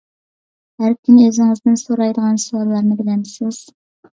ھەر كۈنى ئۆزىڭىزدىن سورايدىغان سوئاللارنى بىلەمسىز؟